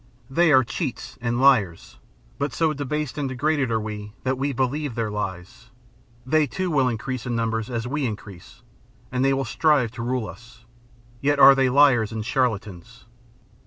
They are cheats and liars. But so debased and degraded are we, that we believe their lies. They, too, will increase in numbers as we increase, and they will strive to rule us. Yet are they liars and charlatans.